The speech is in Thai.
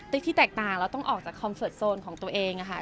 ที่แตกต่างแล้วต้องออกจากคอนเสิร์ตโซนของตัวเองค่ะ